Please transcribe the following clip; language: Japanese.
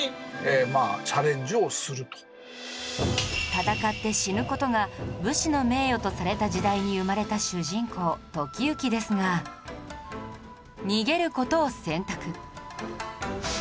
戦って死ぬ事が武士の名誉とされた時代に生まれた主人公時行ですが逃げる事を選択